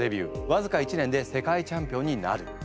わずか１年で世界チャンピオンになる。